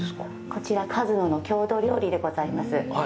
こちら、鹿角の郷土料理でございます。